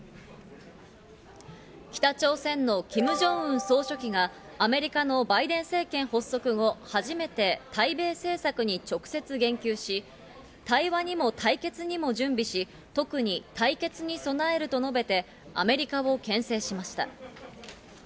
北朝鮮のキム・ジョンウン総書記がアメリカのバイデン政権発足後、初めて対米政策に直接言及し、対話にも対決にも準備し、特に対決に備えると述べて、アメリカを牽制しました。